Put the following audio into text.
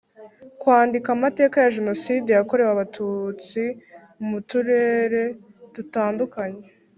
Kwandika amateka ya Jenoside yakorewe Abatutsi mu Turere dutandukanye